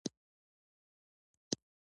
دوهم د ټیټ عاید لرونکي هیوادونه دي.